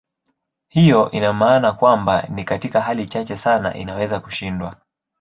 Hiyo ina maana kwamba ni katika hali chache sana inaweza kushindwa.